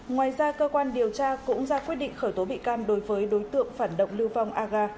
ngoài ra cơ quan điều tra cũng ra quyết định khởi tố bị can đối với đối tượng phản động lưu vong aga